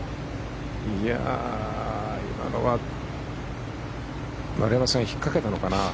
今のは丸山さん、ひっかけたのかな。